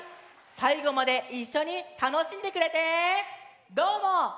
さいごまでいっしょにたのしんでくれてどうも。